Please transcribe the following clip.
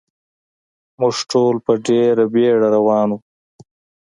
موږ ټول په ډېره بېړه روان و.